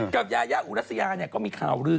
กับยาย่าอุรัสยานี่ก็มีข่าวลื้อ